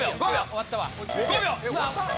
終わった？